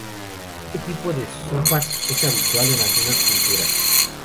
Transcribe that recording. Este tipo de sopas es habitual en algunas culturas.